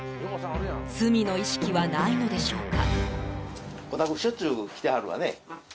罪の意識はないのでしょうか？